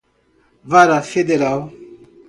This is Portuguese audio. vara federal